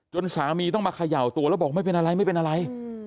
สามีต้องมาเขย่าตัวแล้วบอกไม่เป็นอะไรไม่เป็นอะไร